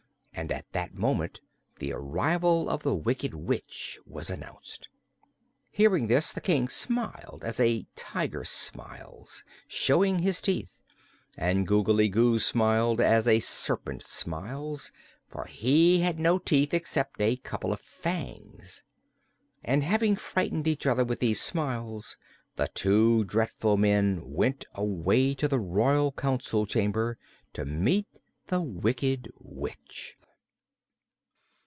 And at that moment the arrival of the Wicked Witch was announced. Hearing this, the King smiled, as a tiger smiles, showing his teeth. And Googly Goo smiled, as a serpent smiles, for he had no teeth except a couple of fangs. And having frightened each other with these smiles the two dreadful men went away to the Royal Council Chamber to meet the Wicked Witch.